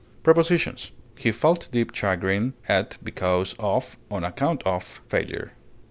Prepositions: He felt deep chagrin at (because of, on account of) failure.